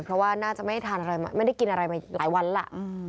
เพราะว่าน่าจะไม่ได้กินอะไรมาหลายวันล่ะ